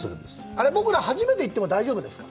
あれ、僕ら初めて行っても大丈夫ですか。